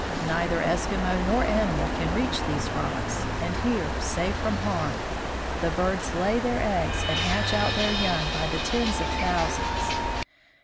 Neither Eskimo nor animal can reach these rocks, and here, safe from harm, the birds lay their Bird Cliffs. eggs and hatch out their young by the tens of thousands.